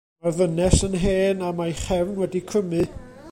Mae'r ddynes yn hen a mae'i chefn wedi crymu.